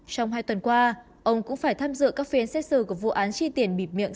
trong hai tuần qua ông cũng phải tham dự các phiên xét xử của vụ án chi tiền bịp miệng